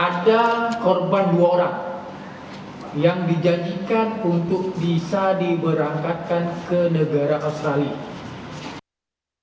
ada korban dua orang yang dijanjikan untuk bisa diberangkatkan ke negara australia